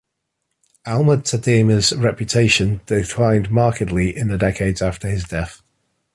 Alma-Tadema's reputation declined markedly in the decades after his death.